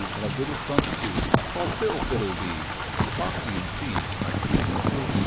And a little son too. Called Phil. — Fiddle dee ! Come, foxy, and see My sweet minstrelsy